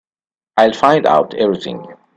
I'll find out everything.